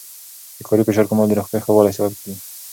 د کاري فشار کمول د روغتیا ښه والي سبب کېږي.